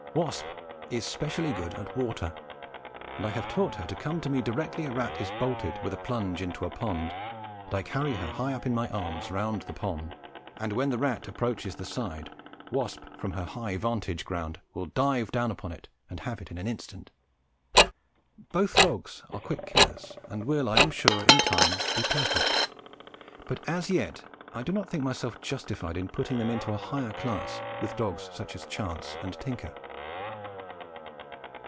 Wasp is specially good at water, and I have taught him to come to me directly a rat is bolted with a plunge into a pond, and I carry her high up in my arms round the pond, and when the rat approaches the side, Wasp from her high vantage ground will dive down upon it and have it in an instant. Both dogs are quick killers and will, I am sure, in time be perfect; but as yet I do not think myself justified in putting them into a higher class with such dogs as Chance and Tinker.